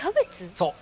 そう。